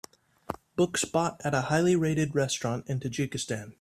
book spot at a highly rated restaurant in Tajikistan